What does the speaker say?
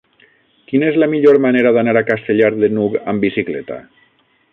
Quina és la millor manera d'anar a Castellar de n'Hug amb bicicleta?